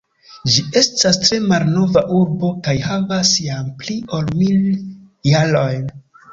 Ĝi estas tre malnova urbo kaj havas jam pli ol mil jarojn.